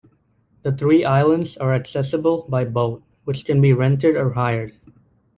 The three islands are accessible by boat, which can be rented or hired.